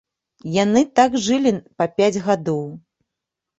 Яны так жылі па пяць гадоў.